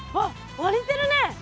割れてるね。